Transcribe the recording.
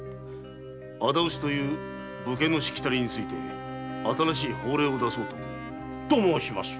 仇討ちという武家のしきたりについて新しい法令を出そうと思う。